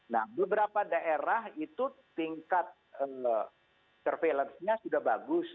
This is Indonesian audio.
nah beberapa daerah itu tingkat surveillance nya sudah bagus